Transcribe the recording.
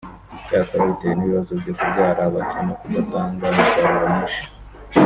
Icyakora bitewe n’ibibazo byo kubyara bake no kudatanga umusaruro mwinshi